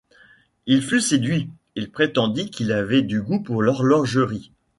Il fut séduit, il prétendit qu’il avait du goût pour l’horlogerie.